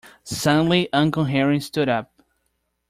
Suddenly Uncle Henry stood up.